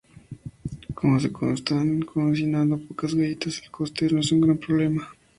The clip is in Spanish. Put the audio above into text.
Como se están cocinando pocas galletas, el coste no es un gran problema.